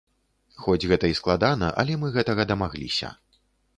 Хоць гэта і складана, але мы гэтага дамагліся.